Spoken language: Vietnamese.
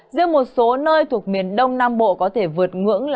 giữa một số nơi thuộc miền đông nam bộ có thể vượt ngưỡng là ba mươi bốn độ